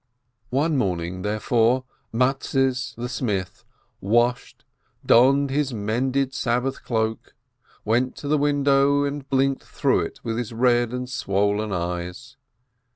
One morning, therefore, Mattes the smith washed, donned his mended Sabbath cloak, went to the window, and blinked through it with his red and swollen eyes.